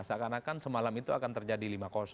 seakan akan semalam itu akan terjadi lima